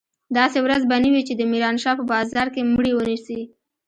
داسې ورځ به نه وي چې د ميرانشاه په بازار کښې مړي ونه سي.